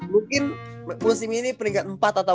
mungkin musim ini peringkat empat atau lima lah